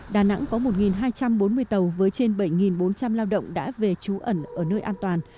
đà nẵng có một hai trăm bốn mươi tàu với trên bảy bốn trăm linh lao động đã về trú ẩn ở nơi an toàn